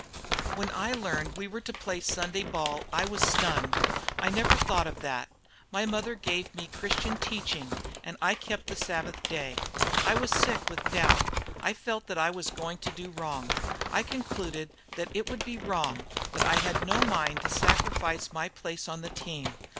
"When I learned we were to play Sunday ball I was stunned. I never thought of that. My mother gave me Christian teaching, and I kept the Sabbath day. I was sick with doubt. I felt that I was going to do wrong. I concluded that it would be wrong, but I had no mind to sacrifice my place on the team.